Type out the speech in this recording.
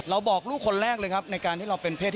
บอกลูกคนแรกเลยครับในการที่เราเป็นเพศ